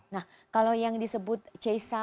nah kalau yang disebut cesa